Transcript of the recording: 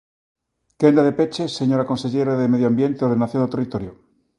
Quenda de peche, señora conselleira de Medio Ambiente e Ordenación do Territorio.